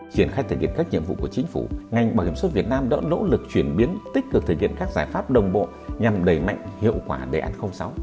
triển khai thực hiện các nhiệm vụ của chính phủ ngành bảo hiểm xuất việt nam đã nỗ lực chuyển biến tích cực thực hiện các giải pháp đồng bộ nhằm đẩy mạnh hiệu quả đề án sáu